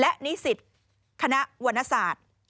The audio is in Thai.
และนิสิตคณะวรรณศาสตร์